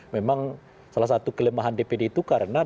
memang salah satu kelemahan dpd itu karena